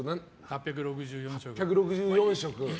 ８６４食。